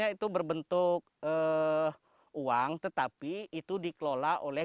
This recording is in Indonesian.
dan bingung beri penindahan ke dalam pabrik ke wales tidak